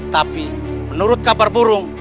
tapi menurut kabar burung